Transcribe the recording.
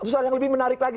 soal yang lebih menarik lagi